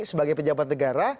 sebagai pejabat negara